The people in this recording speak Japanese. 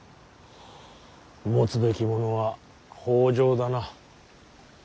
持つべきものは北条だな。